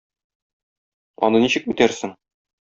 Аны ничек үтәрсең?